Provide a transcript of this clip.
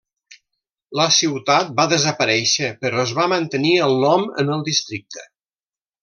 La ciutat va desaparèixer però es va mantenir el nom en el districte.